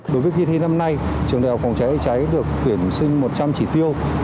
đối với kỳ thi năm nay trường đại học phòng cháy cháy được tuyển sinh một trăm linh chỉ tiêu